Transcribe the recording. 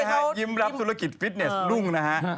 เจนส์นี่ยิ้มรับธุรกิจฟิตเนสลุ่งนะฮะ